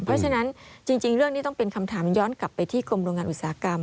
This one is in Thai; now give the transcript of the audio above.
เพราะฉะนั้นจริงเรื่องนี้ต้องเป็นคำถามย้อนกลับไปที่กรมโรงงานอุตสาหกรรม